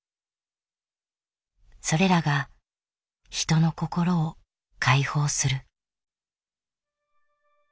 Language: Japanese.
それらが人の心を解放する。